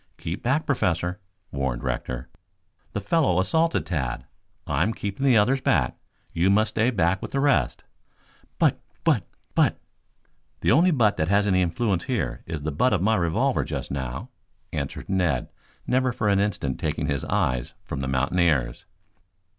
"Keep back, Professor," warned Rector. "The fellow assaulted Tad. I am keeping the others back. You must stay back with the rest." "But but but " "The only 'but' that has any influence here is the butt of my revolver just now," answered Ned, never for an instant taking his eyes from the mountaineers.